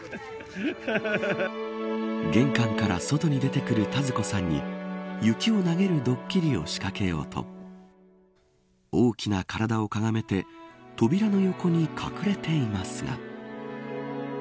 玄関から外に出てくる田鶴子さんに雪を投げるドッキリを仕掛けようと大きな体をかがめて扉の横に隠れていますが。